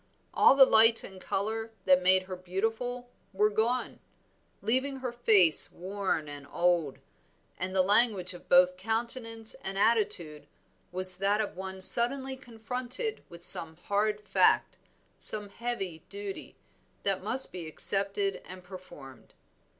All the light and color that made her beautiful were gone, leaving her face worn and old, and the language of both countenance and attitude was that of one suddenly confronted with some hard fact, some heavy duty, that must be accepted and performed.